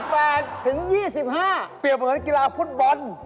เปรียบเหมือนกีฬาฟุตบอล